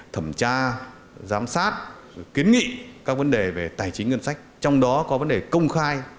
thẩm tra giám sát kiến nghị các vấn đề về tài chính ngân sách trong đó có vấn đề công khai